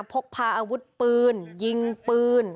พกพาอาวุธปืนยิงปืน